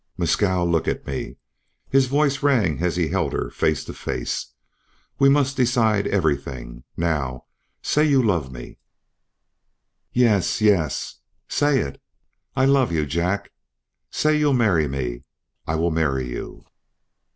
"Mescal, look at me." His voice rang as he held her face to face. "We must decide everything. Now say you love me!" "Yes yes." "Say it." "I love you Jack." "Say you'll marry me!" "I will marry you."